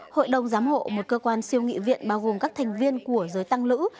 hội đồng giám hộ một cơ quan siêu nghị viện bao gồm các thành viên của giới tăng lữ